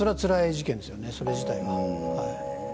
それ自体が。